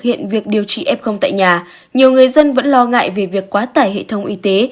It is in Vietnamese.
hiện việc điều trị f tại nhà nhiều người dân vẫn lo ngại về việc quá tải hệ thống y tế